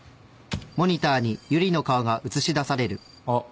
あっ。